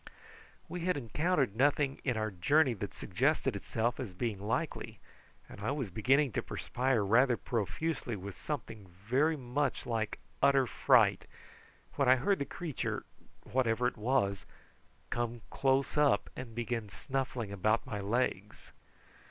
We had encountered nothing in our journey that suggested itself as being likely, and I was beginning to perspire rather profusely with something very much like utter fright, when I heard the creature, whatever it was, come close up and begin snuffling about my legs.